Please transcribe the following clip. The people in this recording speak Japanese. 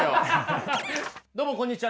どうもこんにちは。